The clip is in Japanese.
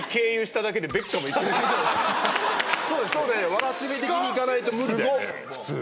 わらしべ的にいかないと無理だよね。